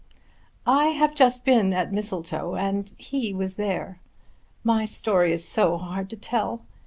"I have just been at Mistletoe, and he was there. My story is so hard to tell.